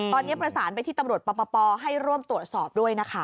ตอนนี้ประสานไปที่ตำรวจปปให้ร่วมตรวจสอบด้วยนะคะ